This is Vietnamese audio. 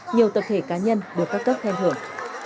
nhiều tập thể cá nhân được các cấp khen thưởng